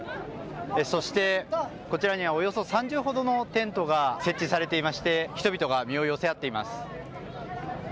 そして、こちらにはおよそ３０ほどのテントが設置されていまして、人々が身を寄せ合っています。